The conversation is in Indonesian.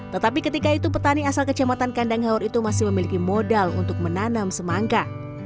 tetapi ketika itu petani asal kecamatan kandang haur itu masih memiliki modal untuk menanam semangka